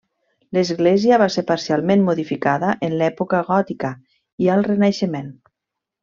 L'església va ser parcialment modificada en l'època gòtica i al Renaixement.